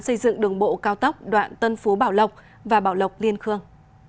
xây dựng đường bộ cao tốc đoạn tân phú bảo lộc và bảo lộc liên khương